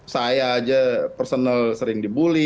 saya saja personal sering bully